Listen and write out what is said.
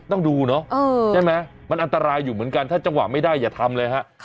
ต้องดูเนาะใช่ไหมมันอันตรายอยู่เหมือนกันถ้าจังหวะไม่ได้อย่าทำเลยฮะ